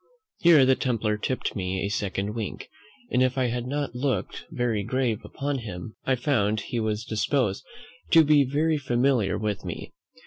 Here the templar tipped me a second wink, and, if I had not looked very grave upon him, I found he was disposed to be very familiar with me.